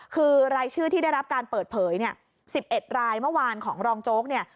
คือรายชื่อที่ได้รับการเปิดเผยเนี่ย๑๑รายเมื่อวานของรองโจ๊กเนี่ย